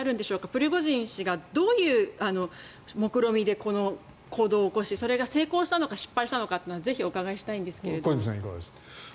プリゴジン氏がどういうもくろみでこの行動を起こしそれが成功したのか失敗したのかは小泉さん、いかがですか。